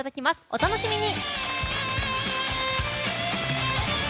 お楽しみに。